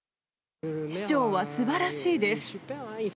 市長はすばらしいです。